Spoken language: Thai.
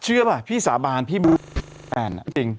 เชื่อล่ะพี่สาบานพี่มุดแฟนจริง